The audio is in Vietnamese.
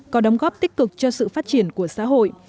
có đóng góp tích cực cho sự phát triển của xã hội